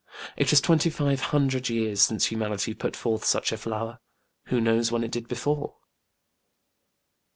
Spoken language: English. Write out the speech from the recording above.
It is twenty five hundred years since humanity put forth such a flower: who knows when it did before?